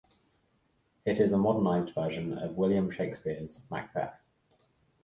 It is a modernized version of William Shakespeare's "Macbeth".